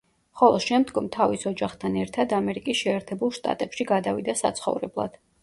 ხოლო შემდგომ თავის ოჯახთან ერთად ამერიკის შეერთებულ შტატებში გადავიდა საცხოვრებლად.